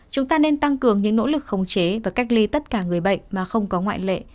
chúng ta nên tăng cường những nỗ lực khống chế và cách ly tất cả người bệnh mà không có ngoại lệ